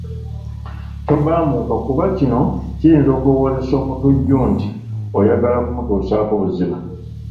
Tobbamuka kuba kino kiyinza okulowoozesa omutujju nti oyagala kumutusaako buzibu.